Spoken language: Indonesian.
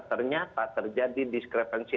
ternyata terjadi diskrepsi